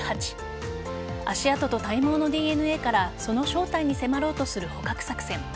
足跡と体毛のＤＮＡからその正体に迫ろうとする捕獲作戦。